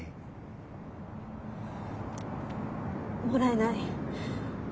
もらえない。